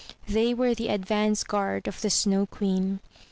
They were the advance guard of the Snow Queen.